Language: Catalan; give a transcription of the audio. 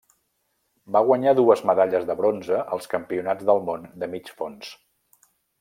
Va guanyar dues medalles de bronze als Campionats del món de Mig fons.